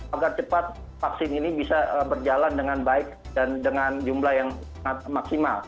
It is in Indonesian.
agar cepat vaksin ini bisa berjalan dengan baik dan dengan jumlah yang maksimal